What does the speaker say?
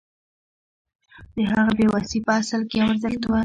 د هغه بې وسي په اصل کې یو ارزښت و